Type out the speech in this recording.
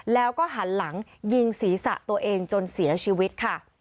แล้วก็หันหลังยิงศีรษะตัวเองจนเสียชีวิตค่ะ